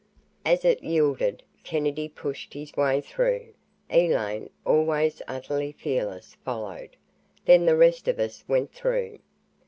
As it yielded, Kennedy pushed his way through. Elaine, always utterly fearless, followed. Then the rest of us went through.